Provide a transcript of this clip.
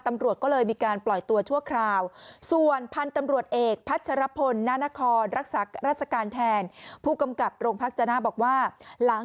ตำรวจก็เลยมีการปล่อยตัวชั่วคราวส่วนพันธุ์ตำรวจเอกพัชรพลนานาคอร์